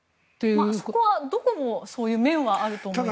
そこはどこもそういう面はあると思いますが。